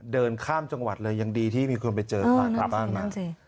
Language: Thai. เดินข้ามจังหวัดเลยยังดีที่มีคนไปเจอค่ะบ้างนะ